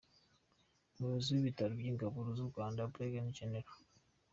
Umuyobozi w’Ibitaro by’Ingabo z’u Rwanda, Brig Gen Dr.